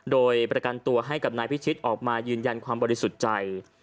โดยประกันตัวให้กับนายพิชิตออกมายืนยันความบริสุทธิ์ใจ